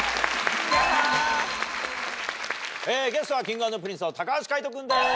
ゲストはＫｉｎｇ＆Ｐｒｉｎｃｅの橋海人君です。